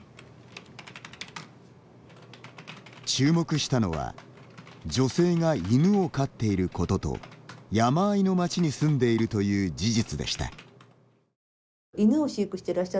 注目したのは女性が犬を飼っていることと山あいの町に住んでいるという事実でした。